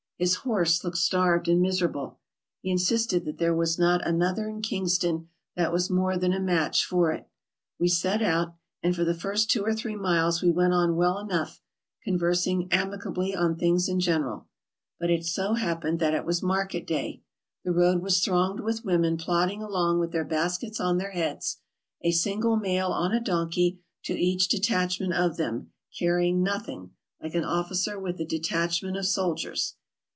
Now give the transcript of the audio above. His horse looked starved and miserable. He insisted that there was not an other in Kingston that was more than a match for it. We set out, and for the first two or three miles we went on well enough, conversing amicably on things in general. But it so happened that it was market day. The road was thronged with women plodding along with their baskets on their heads, a single male on a donkey to each detachment of them, carrying nothing, like an officer with a detachment of soldiers.